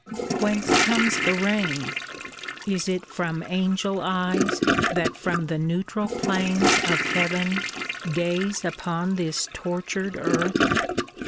Whence comes the rain? Is it from Angel eyes That from the neutral plains of Heaven gaze Upon this tortured earth?